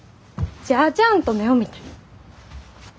じゃあちゃんと目を見て。